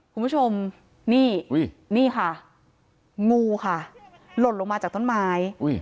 คุณผู้ชมนี่นี่ค่ะงูค่ะหล่นลงมาจากต้นไม้